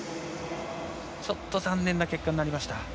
ちょっと残念な結果になりました。